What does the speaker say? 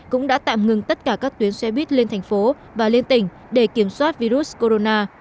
cũng đã tạm ngừng tất cả các tuyến xe buýt lên thành phố và lên tỉnh để kiểm soát virus corona